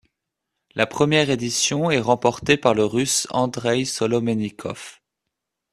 La première édition est remportée par le Russe Andrey Solomennikov.